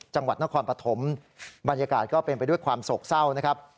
จังหวัดนครปฐมบรรยากาศก็เป็นไปด้วยความโศกเศร้านะครับ